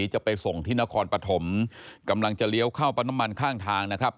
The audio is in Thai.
จะไปส่งที่นครปฐมกำลังจะเลี้ยวเข้าปั๊มน้ำมันข้างทางนะครับ